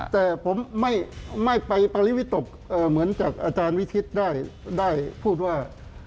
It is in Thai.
แต่ผมไม่ไปปริวิตกเหมือนจากอาจารย์วิทิศได้พูดว่า